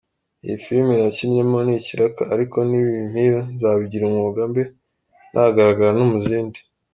Iyi film nakinnyemo ni ikiraka ariko nibimpira nzabigira umwuga, mbe nagaragara no mu zindi.